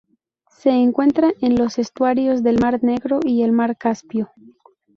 Se encuentra en los estuarios del mar Negro y del mar Caspio.